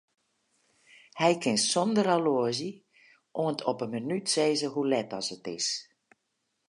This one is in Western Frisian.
Hy kin sonder horloazje oant op 'e minút sizze hoe let as it is.